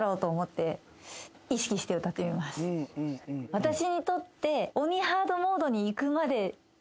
私にとって。